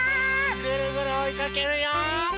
ぐるぐるおいかけるよ！